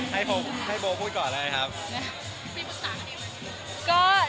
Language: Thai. มีปรึกษากันอีกไหมคะว่าอย่างไรก็ดี